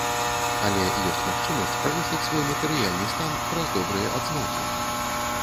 Але ёсць магчымасць павысіць свой матэрыяльны стан праз добрыя адзнакі.